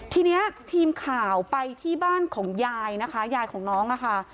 ทีนี้ทีมข่าวไปที่บ้านของยายนะคะยายของน้องอะค่ะ